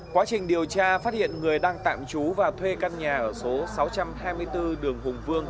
quá trình điều tra phát hiện người đang tạm trú và thuê căn nhà ở số sáu trăm hai mươi bốn đường hùng vương